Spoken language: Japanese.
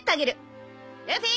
ルフィ。